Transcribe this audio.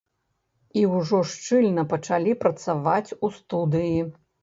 І ўжо шчыльна пачалі працаваць у студыі.